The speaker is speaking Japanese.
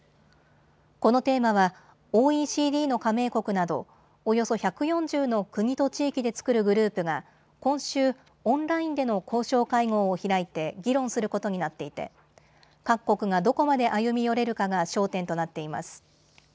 このテーマはＯＥＣＤの加盟国などおよそ１４０の国と地域で作るグループが今週、オンラインでの交渉会合を開いて議論することになっていて各国がどこまで歩み寄れるかが焦点となっています。